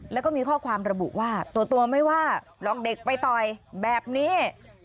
แล้วก็มีข้อความระบุว่าตัวไม่ว่าหรอกเด็กไปต่อยแบบนี้